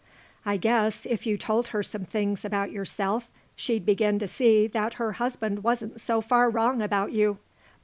I guess if you told her some things about yourself she'd begin to see that her husband wasn't so far wrong about you."